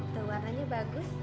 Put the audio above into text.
tuh warnanya bagus